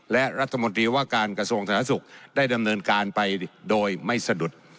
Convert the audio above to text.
และรัฐมนตรีว่าการกระทรวงสาธารณสุขได้ดำเนินการไปโดยไม่สะดุด